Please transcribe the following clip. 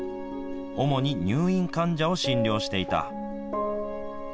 主に入院患者を診療していた。